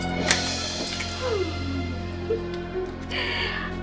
saya juga berharga